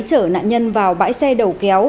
chở nạn nhân vào bãi xe đầu kéo